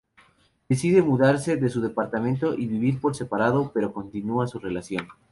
Deciden mudarse de su apartamento y vivir por separado, pero continúan su relación.